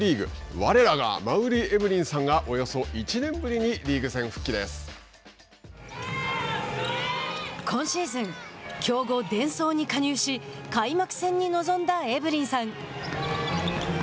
我らが馬瓜エブリンさんがおよそ１年ぶりに今シーズン強豪デンソーに加入し開幕戦に臨んだエブリンさん。